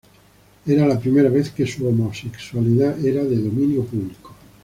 Era la primera vez que su homosexualidad era de dominio público.